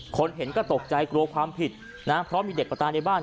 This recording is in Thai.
คนเห็นก็ตกใจกลัวความผิดนะเพราะมีเด็กประตายในบ้าน